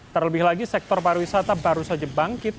terlebih lagi sektor pariwisata baru saja bangkit